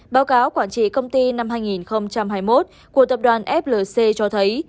báo cáo quản trị công ty năm hai nghìn hai mươi một của tập đoàn flc cho thấy